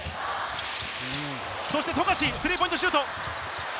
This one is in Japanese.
そして富樫、スリーポイントシュート！